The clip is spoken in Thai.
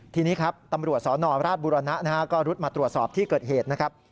ทีนี้ครับตำรวจสนราชบุรณะก็รุดมาตรวจสอบที่เกิดเหตุนะครับ